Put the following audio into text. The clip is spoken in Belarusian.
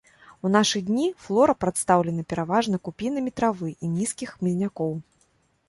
У нашы дні флора прадстаўлена пераважна купінамі травы і нізкіх хмызнякоў.